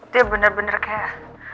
dia bener bener kayak